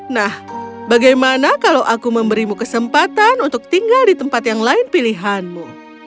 nah bagaimana kalau aku memberimu kesempatan untuk tinggal di tempat yang lain pilihanmu